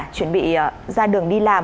chuẩn bị ra đường đi làm